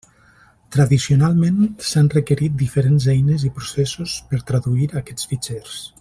Tradicionalment s'han requerit diferents eines i processos per traduir aquests fitxers.